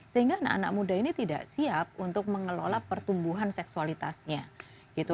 sehingga anak anak muda ini tidak siap untuk mengelola pertumbuhan seksualitasnya gitu